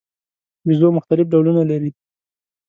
بیزو مختلف ډولونه لري.